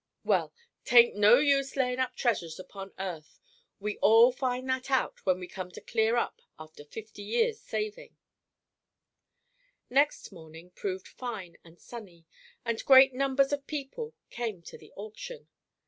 Well, 'tain't no use layin' up treasures upon earth. We all find that out when we come to clear up after fifty years' savin'." Next morning proved fine and sunny, and great numbers of people came to the auction.